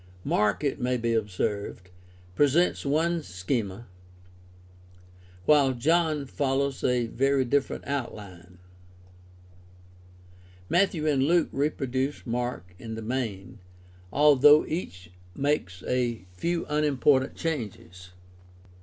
Mark, it may be observed, presents one schema, while John follows a very different outline. Matthew and Luke reproduce Mark in the main, although each makes a few unimportant changes.